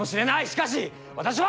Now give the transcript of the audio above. しかし私は！